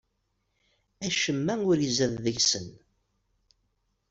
Acemma ur izad deg-sen.